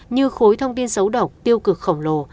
như khối thông tin xấu độc tiêu cực khổng lồ